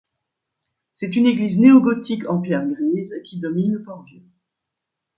C'est une église néogothique en pierres grises qui domine le Port Vieux.